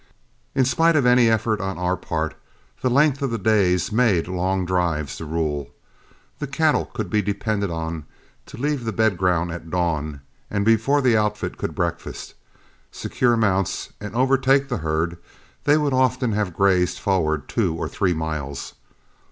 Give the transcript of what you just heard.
In spite of any effort on our part, the length of the days made long drives the rule. The cattle could be depended on to leave the bed ground at dawn, and before the outfit could breakfast, secure mounts, and overtake the herd, they would often have grazed forward two or three miles.